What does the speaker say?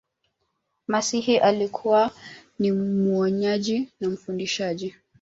masihi alikuwa ni muonyaji na mfundisaji